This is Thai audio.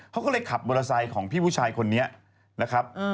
เขาก็เลยขับมอเตอร์ไซค์ของพี่ผู้ชายคนนี้นะครับ